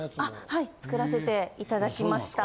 はい作らせていただきました。